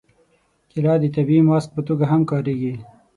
کېله د طبیعي ماسک په توګه هم کارېږي.